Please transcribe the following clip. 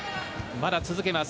まだ続けます。